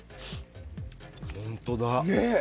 本当だ。